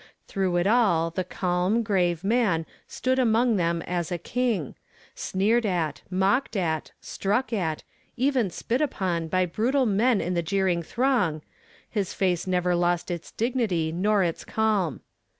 Through it all the calm, grave man moved among them as a King; sneered at, mocked at, struck at, even spit ui, on by brutal men in the jeering throng, his face never lost Its dignity nor its calm.